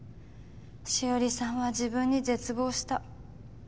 紫織さんは自分に絶望した。